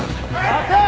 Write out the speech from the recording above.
待て！